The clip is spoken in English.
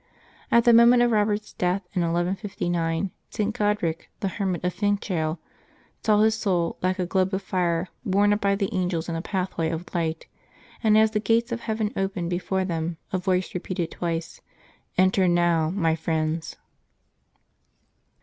At the moment of Eobert's death, in 1159, St. Godric, the hermit of Finchale, saw his soul, like a globe of fire, borne up by the angels in a pathway of light; and as the gates of heaven opened before them, a voice repeated twice, " Enter now, my friends."